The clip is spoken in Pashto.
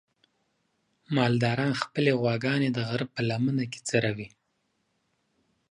مالداران خپلې غواګانې د غره په لمنه کې څروي.